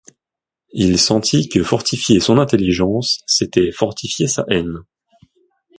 Il sentit que fortifier son intelligence, c'était fortifier sa haine.